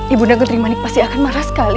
ibuna gentering manik pasti akan marah sekali na